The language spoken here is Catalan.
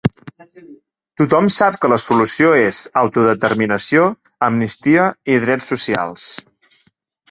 Tothom sap que la solució és autodeterminació, amnistia i drets socials.